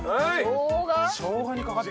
しょうがにかかってる？